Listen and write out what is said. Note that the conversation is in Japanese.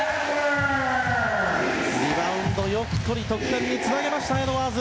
リバウンド、よくとって得点につなげましたエドワーズ！